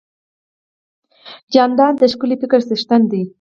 جانداد د ښکلي فکر څښتن دی.